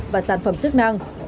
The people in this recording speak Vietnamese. và sản phẩm chức năng